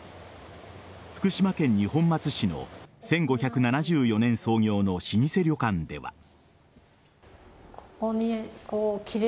福島県二本松市の１５７４年創業の老舗旅館では。